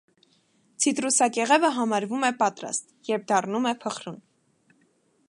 Ցիտրուսակեղևը համարվում է պատրաստ, երբ դառնում է փխրուն։